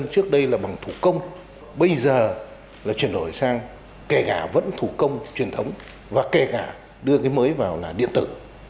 các dân trước đây là bằng thủ công bây giờ là chuyển đổi sang kẻ gà vẫn thủ công truyền thống và kẻ gà đưa cái mới vào là điện tử